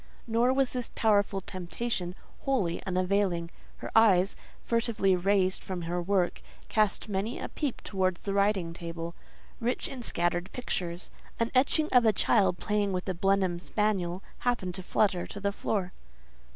Nor was this powerful temptation wholly unavailing: her eyes, furtively raised from her work, cast many a peep towards the writing table, rich in scattered pictures. An etching of a child playing with a Blenheim spaniel happened to flutter to the floor.